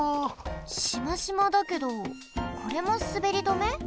しましまだけどこれもすべり止め？